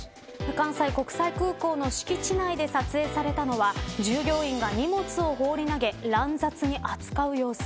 関西国際空港の敷地内で撮影されたのは従業員が荷物を放り投げ乱雑に扱う様子。